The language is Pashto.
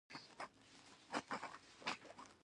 پیاز د پوستکي روڼوالی زیاتوي